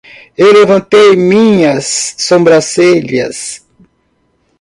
Eu levantei minhas sobrancelhas.